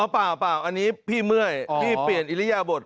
เปล่าอันนี้พี่เมื่อยพี่เปลี่ยนอิริยบท